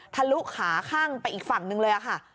ลุขาข้างไปอีกฝั่งนึงเลยค่ะ